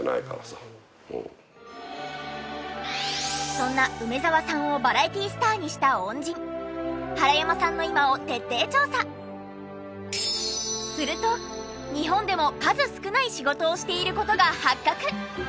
そんな梅沢さんをバラエティスターにした恩人すると日本でも数少ない仕事をしている事が発覚。